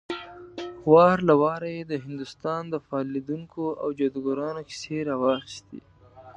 وار له واره يې د هندوستان د فال ليدونکو او جادوګرانو کيسې راواخيستې.